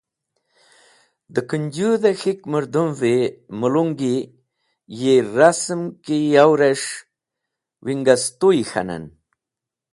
Dẽ Kũnjũdh-e K̃hik mũrdũm’v-e mulungi yi rasm ki yow’res̃h Wingastuy” k̃hanen.